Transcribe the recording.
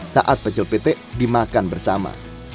saat pecel pete dimakan bersama